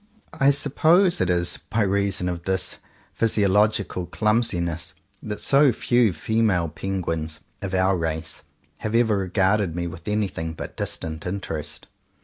I suppose it is by reason of this physiolog ical clumsiness that so few female penguins — of our race — have ever regarded me with anything but distant interest.